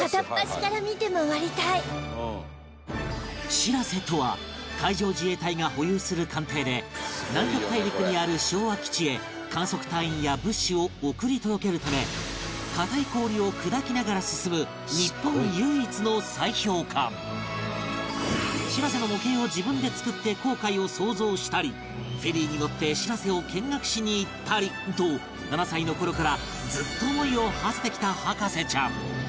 「しらせ」とは海上自衛隊が保有する艦艇で南極大陸にある昭和基地へ観測隊員や物資を送り届けるため硬い氷を砕きながら進む「しらせ」の模型を自分で作って航海を想像したりフェリーに乗って「しらせ」を見学しに行ったりと７歳の頃からずっと思いをはせてきた博士ちゃん